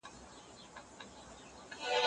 بد عمل انسان د خلګو په وړاندې شرموي.